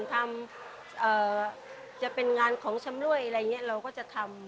ทำจะเป็นงานของชำรวยอะไรอย่างนี้เราก็จะทำ